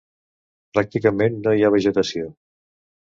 Pràcticament no hi ha vegetació.